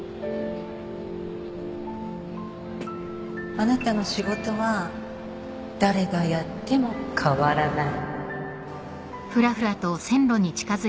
あなたの仕事は誰がやっても変わらない